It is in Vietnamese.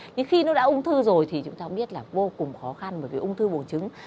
nhưng khi nó đã ung thư rồi thì chúng ta biết là vô cùng khó khăn bởi vì ung thư buồn trứng